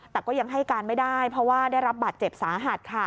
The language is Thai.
แต่ก็ยังให้การไม่ได้เพราะว่าได้รับบาดเจ็บสาหัสค่ะ